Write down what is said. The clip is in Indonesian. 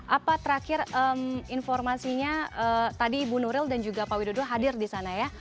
apa terakhir informasinya tadi ibu nuril dan juga pak widodo hadir di sana ya